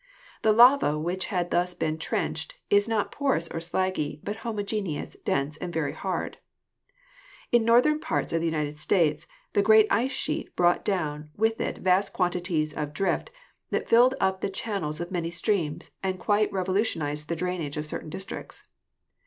The lava which had thus been trenched is not porous or slaggy, but homogeneous, dense and very hard. In the northern parts of the United States the great ice sheet brought down with it vast quantities of drift that filled up the channels of many streams and quite revolu tionized the drainage of certain districts.